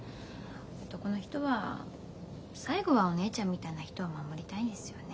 男の人は最後はお姉ちゃんみたいな人を守りたいんですよね。